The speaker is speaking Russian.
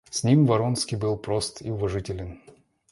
С ним Вронский был прост и уважителен.